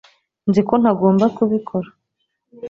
Nzi ko ntagomba kubikora